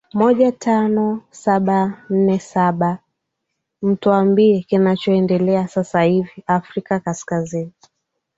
moja tano saba nne saba mtwambie kinachoendelea sasa hivi afrika kaskazini